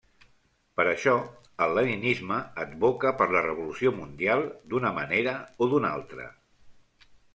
Per això, el Leninisme advoca per la revolució mundial d'una manera o d'una altra.